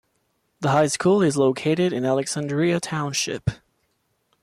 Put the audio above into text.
The high school is located in Alexandria Township.